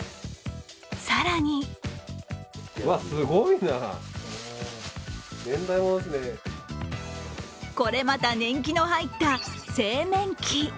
更にこれまた年季の入った製麺機。